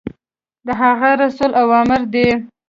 د هغه رسول اوامر دي.